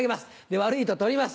悪いと取ります。